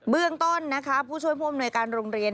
เบื้องต้นผู้ช่วยภวมหน่วยการโรงเรียน